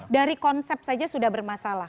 dari konsep saja sudah bermasalah